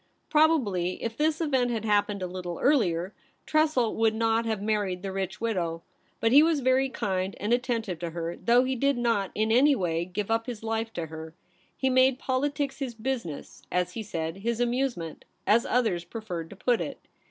Probably if this event had happened a little earlier, Tressel would not have married the rich widow. But he was very kind and attentive to her, though he did not in any way give up his life to her. He made poli tics his business, as he said — his amusement, as others preferred to put it.